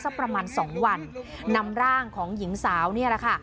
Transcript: ประมาณสองวันนำร่างของหญิงสาวนี่แหละค่ะ